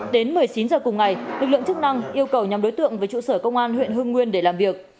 đến một mươi chín h cùng ngày lực lượng chức năng yêu cầu nhằm đối tượng với trụ sở công an huyện hương nguyên để làm việc